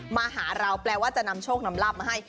มาหาเราแปลว่าจะนำโชคนำลาบมาให้